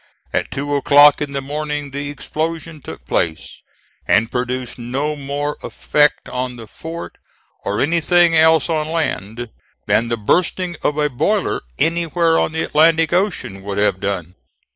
At two o'clock in the morning the explosion took place and produced no more effect on the fort, or anything else on land, than the bursting of a boiler anywhere on the Atlantic Ocean would have done.